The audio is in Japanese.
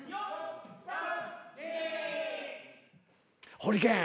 ホリケン